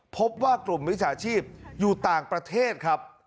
พบว่ากลุ่มมิจฉาชีพอยู่ต่างประเทศครับ